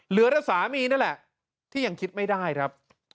เหลือแต่สามีนั่นแหละที่ยังคิดไม่ได้ครับ